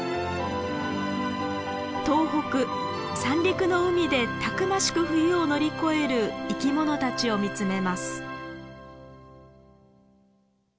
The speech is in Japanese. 東北三陸の海でたくましく冬を乗り越える生きものたちを見つめます。